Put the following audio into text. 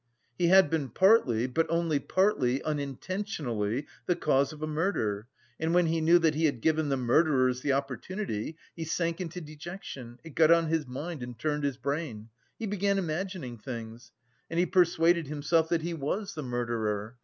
He had been partly, but only partly, unintentionally the cause of a murder and when he knew that he had given the murderers the opportunity, he sank into dejection, it got on his mind and turned his brain, he began imagining things and he persuaded himself that he was the murderer.